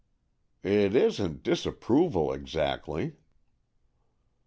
"It isn't disapproval exactly."